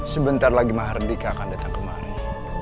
sebentar lagi mbah hardika akan datang kemari